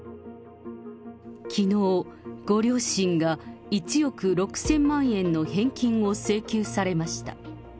きのう、ご両親が１億６０００万円の返金を請求されました。